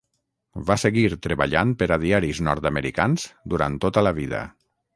Va seguir treballant per a diaris nord-americans durant tota la vida.